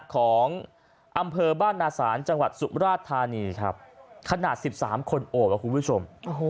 ของอำเภอบ้านนาศาลจังหวัดสุมราชธานีครับขนาด๑๓คนโอบอะคุณผู้ชม